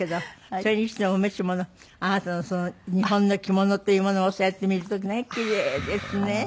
それにしてもお召し物あなたのその日本の着物というものをそうやって見るとね奇麗ですね。